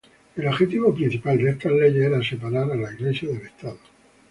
El objetivo principal de estas leyes era separar a la Iglesia del Estado.